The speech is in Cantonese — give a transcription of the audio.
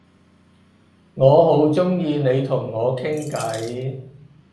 我好鍾意你同我傾偈